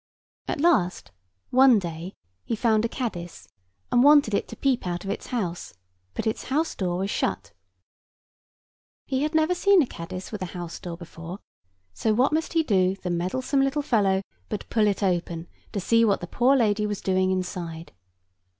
At last one day he found a caddis, and wanted it to peep out of its house: but its house door was shut. He had never seen a caddis with a house door before: so what must he do, the meddlesome little fellow, but pull it open, to see what the poor lady was doing inside.